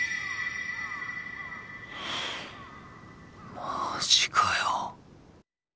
マジかよ。